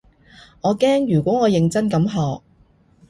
我驚如果我認真咁學